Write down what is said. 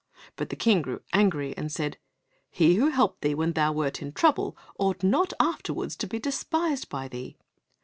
But the King grew angry and said, "He who helped thee when thou wert in trouble ought not afterwards to be despised by thee."